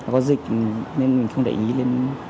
có dịch nên mình không để ý lên